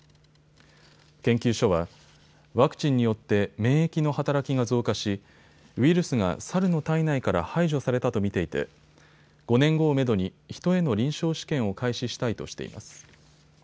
研究所はワクチンによって免疫の働きが増加し、ウイルスがサルの体内から排除されたと見ていて５年後をめどにヒトへの臨床試験を開始したいとしています。